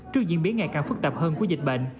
trước diễn biến ngày càng phức tạp hơn của dịch bệnh